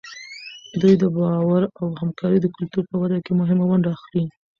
دوی د باور او همکارۍ د کلتور په وده کې مهمه ونډه اخلي.